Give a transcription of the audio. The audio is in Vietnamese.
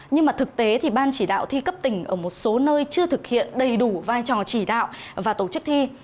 nhưng mà thực tế thì ban chỉ đạo thi cấp tỉnh ở một số nơi chưa thực hiện đầy đủ vai trò chỉ đạo và tổ chức thi